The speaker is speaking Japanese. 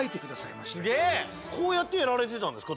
こうやってやられてたんですか？